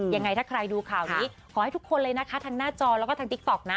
ยังไงถ้าใครดูข่าวนี้ขอให้ทุกคนเลยนะคะทางหน้าจอแล้วก็ทางติ๊กต๊อกนะ